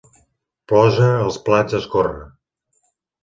Posa els plats a escórrer.